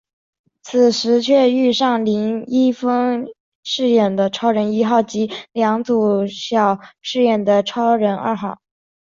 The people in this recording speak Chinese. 此时却遇上林一峰饰演的超人一号及梁祖尧饰演的超人二号。